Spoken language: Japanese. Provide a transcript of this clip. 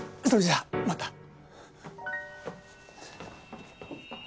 それじゃあまた。